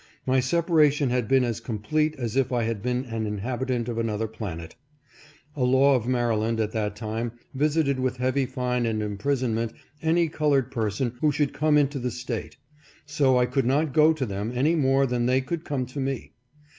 My separation had been as complete as if I had been an inhabitant of another planet. A law of Maryland at that time visited with heavy fine and imprisonment any colored person who should come into the State ; so I could not go to them any more than they could come to me.